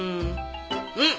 うん。